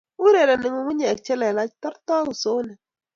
Urereni ngungunyek che lelach tortoi usonet